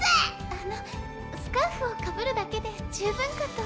あのスカーフをかぶるだけで十分かと。